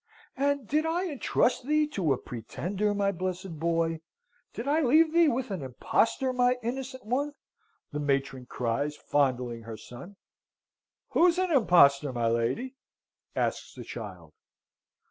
And did I entrust thee to a pretender, my blessed boy? Did I leave thee with an impostor, my innocent one?" the matron cries, fondling her son. "Who's an impostor, my lady?" asks the child.